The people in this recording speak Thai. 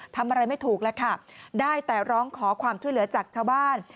ทำอะไรไม่ถูกแล้วค่ะได้แต่ร้องขอความช่วยเหลือจากชาวบ้าน